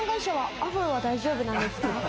アフロは大丈夫なんですか？